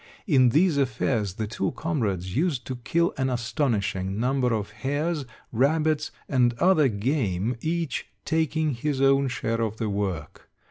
In these affairs the two comrades used to kill an astonishing number of hares, rabbits, and other game, each taking his own share of the work.